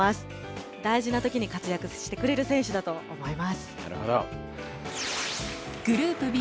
大事なときにかつやくしてくれる選手だと思います。